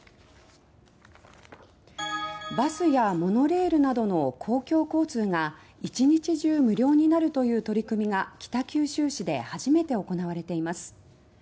バスやモノレールなどの公共交通が一日中無料になるという取り組みが北九州市で初めて行われています。